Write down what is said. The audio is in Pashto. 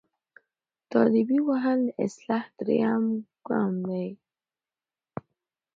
تاديبي وهل د اصلاح دریم ګام دی.